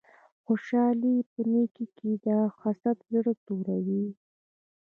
خوشحالی په نیکې کی ده حسد زړه توروی